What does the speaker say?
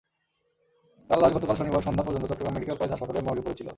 তার লাশ গতকাল শনিবার সন্ধ্যা পর্যন্ত চট্টগ্রাম মেডিকেল কলেজ হাসপাতালের মর্গে পড়েছিল।